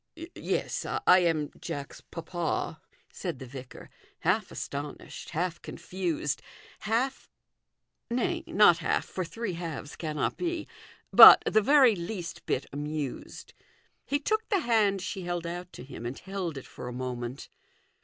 " Yes, I am Jack's papa," said the vicar, half astonished, half confused half, nay, not half, for three halves cannot be but the very least bit amused. He took the hand she held out to him and held it for a moment.